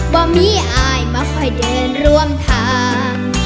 ว่ามีอายมาคอยเดินร่วมทาง